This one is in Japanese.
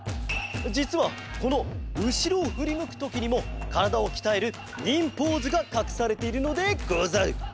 じつはこのうしろをふりむくときにもからだをきたえる忍ポーズがかくされているのでござる。